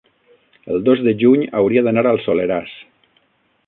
el dos de juny hauria d'anar al Soleràs.